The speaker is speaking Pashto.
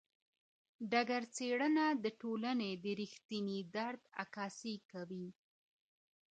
ډګر څېړنه د ټولني د رښتیني درد عکاسي کوي.